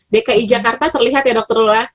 dki jakarta terlihat ya dokter lula